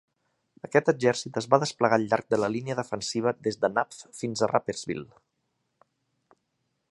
Aquest exèrcit es va desplegar al llarg de la línia defensiva des de Napf fins a Rapperswil.